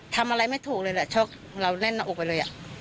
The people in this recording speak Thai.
ทำอะไรไม่ถูกเลยแหละช็อกเราแน่นหน้าอกไปเลย